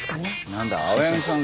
なんだ青柳さんか。